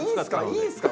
いいんすか？